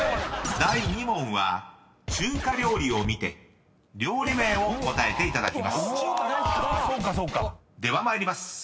［第２問は中華料理を見て料理名を答えていただきます。